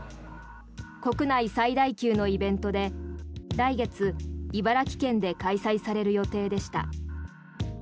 国内最大級のイベントで来月、茨城県で開催される予定でした。